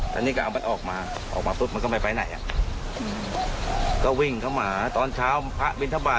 ตอนนี้นายเข้าไปกินอาหารหมู